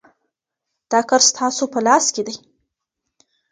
دا کار ستاسو په لاس کي دی.